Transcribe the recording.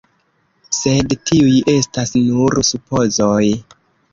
Sed tiuj estas nur supozoj.